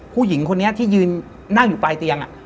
ผู้หญิงคนนี้ที่ยืนนั่งอยู่ปลายเตียง